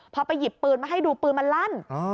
พอไปหยิบปืนมาให้ดูปืนมันลั่น